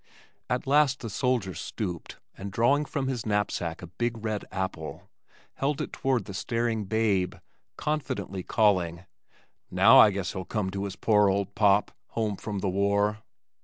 At last the soldier stooped and drawing from his knapsack a big red apple, held it toward the staring babe, confidently calling, "Now, I guess he'll come to his poor old pap home from the war."